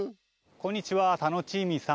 こんにちはタノチーミーさん